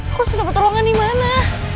aku harus minta pertolongan dimana